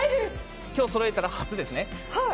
今日そろえたら初ですね？